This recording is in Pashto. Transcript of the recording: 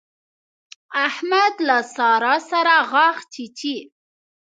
احمد له سارا سره غاښ چيچي.